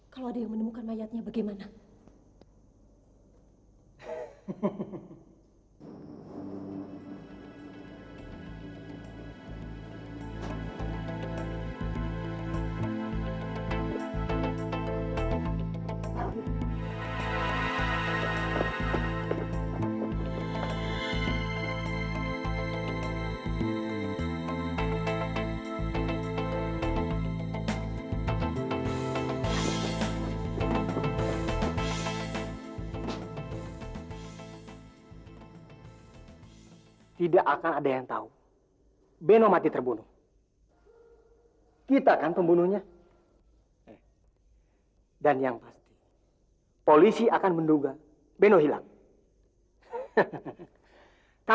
kalau ada yang menemukan mayatnya bagaimana